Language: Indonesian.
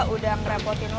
udah ngerepotin lo